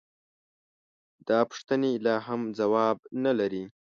دا پوښتنې لا هم ځواب نه لري.